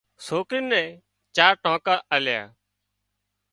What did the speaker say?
سوڪري نين چار ٽانڪا آليا